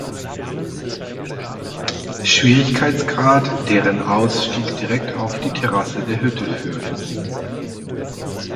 Schwierigkeitsgrad, deren Ausstieg direkt auf die Terrasse der Hütte führt.